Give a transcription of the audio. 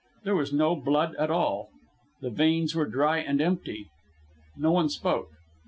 There was no blood at all. The veins were dry and empty. No one spoke.